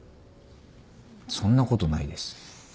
そんなことないです。